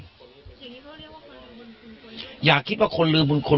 อย่างนี้เขาเรียกว่าคนลืมบนคนตัวเอง